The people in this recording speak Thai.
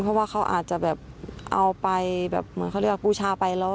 เพราะว่าเขาอาจจะเอาไปเหมือนเขาเรียกว่าปูชาไป